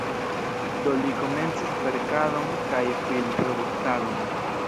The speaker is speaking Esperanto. Do li komencis verkadon kaj film-produktadon.